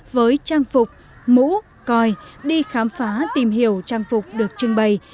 với trang phục mũ coi đi khám phá tìm hiểu trang phục được trưng bày